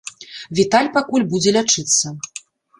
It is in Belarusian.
Віталь пакуль будзе лячыцца.